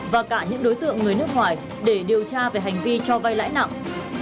và cả những đối tượng người nước ngoài để điều tra về hành vi cho vay lãi nặng